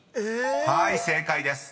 ［はい正解です］